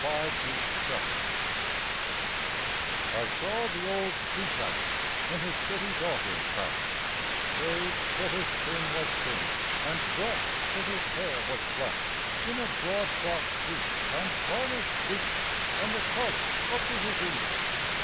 OLD BOATS I saw the old sea captain in his city daughter's house, Shaved till his chin was pink, and brushed till his hair was flat, In a broadcloth suit and varnished boots and a collar up to his ears.